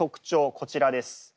こちらです。